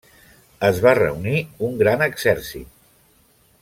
Es va reunir un gran exèrcit.